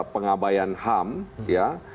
pengabayan ham ya